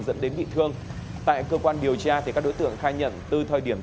dẫn đến bị thương tại cơ quan điều tra các đối tượng khai nhận từ thời điểm